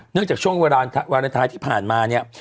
เนื่องจากช่วงวันละท้ายที่ผ่านมาเนี่ย